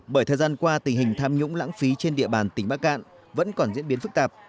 bởi thời gian qua tình hình tham nhũng lãng phí trên địa bàn tỉnh bắc cạn vẫn còn diễn biến phức tạp